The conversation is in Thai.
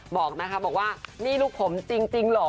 บอกนะคะบอกว่านี่ลูกผมจริงเหรอ